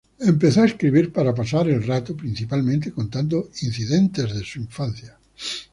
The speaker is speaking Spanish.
Empezó a escribir para pasar el rato, principalmente contando incidentes de su infancia.